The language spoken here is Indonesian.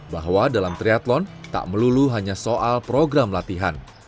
bahwa dalam triathlon tak melulu hanya soal program latihan